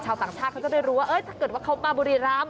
ต่างชาติเขาจะได้รู้ว่าถ้าเกิดว่าเขามาบุรีรำ